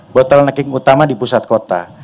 botol naking utama di pusat kota